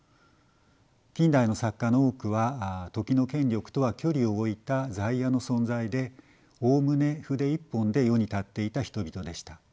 近代の作家の多くは時の権力とは距離を置いた在野の存在でおおむね筆一本で世に立っていた人々でした。